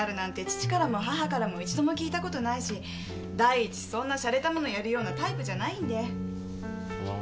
父からも母からも一度も聞いた事ないし第一そんな洒落たものやるようなタイプじゃないんで。